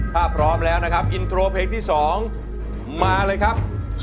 ถ้าพร้อมแล้วนะครับอินโทรเพลงที่๒มาเลยครับ